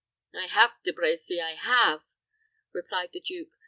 "I have, De Brecy I have," replied the duke.